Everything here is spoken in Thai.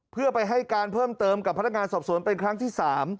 เพื่อไปให้การเพิ่มเติมกับพนักงานสอบสวนเป็นครั้งที่๓